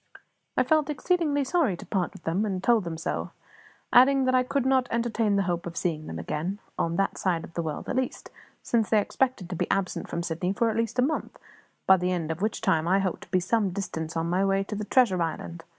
I felt exceedingly sorry to part with them, and told them so; adding that I could not entertain the hope of seeing them again, on that side of the world at least, since they expected to be absent from Sydney for at least a month, by the end of which time I hoped to be some distance on my way to the treasure island.